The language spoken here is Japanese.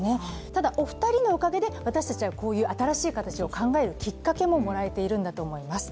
ただお二人のおかげで、私たちはこういう新しい形を考えるきっかけをもらえているんだと思います。